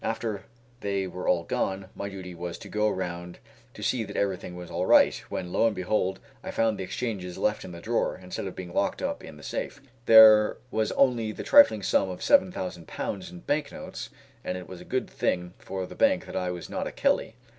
After they were all gone, my duty was to go round to see that everything was all right, when, lo and behold! I found the exchanges left in the drawer, instead of being locked up in the safe. There was only the trifling sum of seven thousand pounds in bank notes, and it was a good thing for the bank that I was not a Kelly.